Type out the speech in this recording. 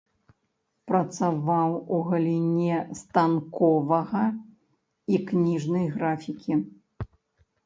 Працаваў у галіне станковага і кніжнай графікі.